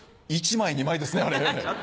１枚２枚ですねあれ。